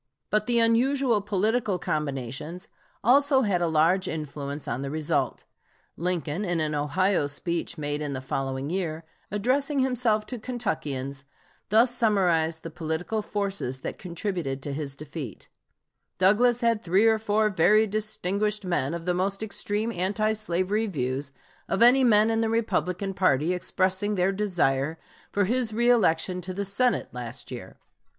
But the unusual political combinations also had a large influence on the result. Lincoln, in an Ohio speech made in the following year, addressing himself to Kentuckians, thus summarized the political forces that contributed to his defeat: "Douglas had three or four very distinguished men of the most extreme anti slavery views of any men in the Republican party expressing their desire for his reëlection to the Senate last year.